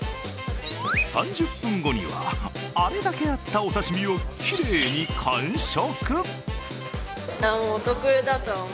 ３０分後には、あれだけあったお刺身をきれいに完食。